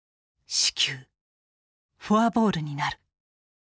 「四球フォアボールになる」。